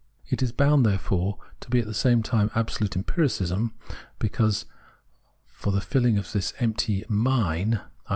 It is bound, therefore, to be at the same time absolute Empiricism, because, for the filling of this empty " mine," i.